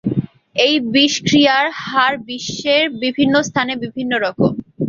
এই বিষক্রিয়ার হার বিশ্বের বিভিন্ন স্থানে বিভিন্ন রকম।